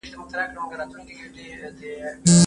ملا په کټ کې پروت و او اسمان ته یې کتل.